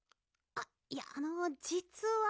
あっいやあのじつは。